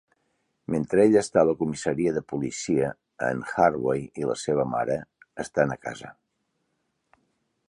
Mentre ell està a la comissaria de policia, en Harvey i la seva mare estan a casa.